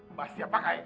masih siap pakai